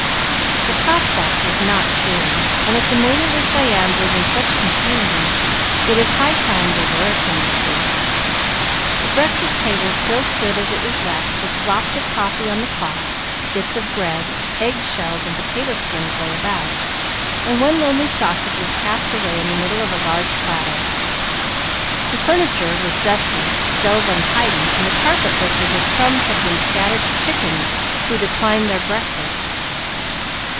The prospect was not cheering; and, if the natives of Siam live in such confusion, it is high time they were attended to. The breakfast table still stood as it was left, with slops of coffee on the cloth; bits of bread, egg shells, and potato skins lay about, and one lonely sausage was cast away in the middle of a large platter. The furniture was dusty, stove untidy, and the carpet looked as if crumbs had been scattered to chickens who declined their breakfast.